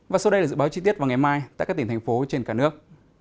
và sau đây là dự báo chi tiết vào ngày mai tại các tỉnh thành phố trên cả nước